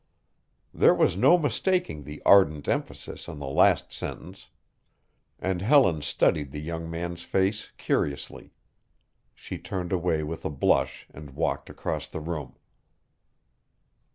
There was no mistaking the ardent emphasis on the last sentence and Helen studied the young man's face curiously. She turned away with a blush and walked across the room.